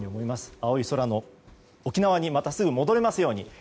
青い空の沖縄にまたすぐ、戻れますように。